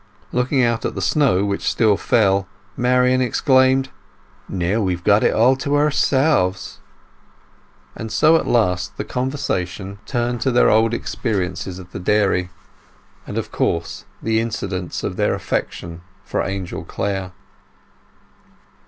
Looking out at the snow, which still fell, Marian exclaimed, "Now, we've got it all to ourselves." And so at last the conversation turned to their old experiences at the dairy; and, of course, the incidents of their affection for Angel Clare.